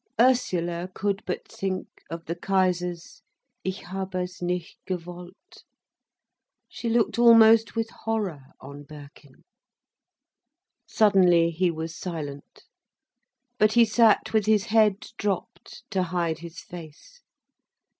Ursula could but think of the Kaiser's: "Ich habe es nicht gewollt." She looked almost with horror on Birkin. Suddenly he was silent. But he sat with his head dropped, to hide his face.